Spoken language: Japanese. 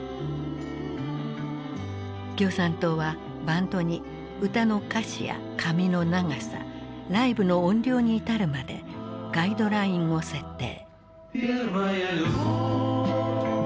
共産党はバンドに歌の歌詞や髪の長さライブの音量に至るまでガイドラインを設定。